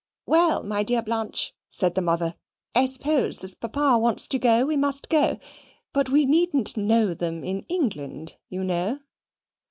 "Well, my dear Blanche," said the mother, "I suppose, as Papa wants to go, we must go; but we needn't know them in England, you know."